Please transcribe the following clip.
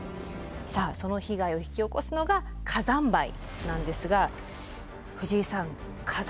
さあその被害を引き起こすのが火山灰なんですが藤井さん火山